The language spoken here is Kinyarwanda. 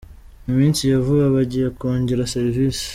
Mu minsi ya vuba bagiye kongera serivisi.